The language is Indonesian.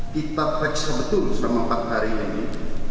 kita periksa betul selama empat hari ini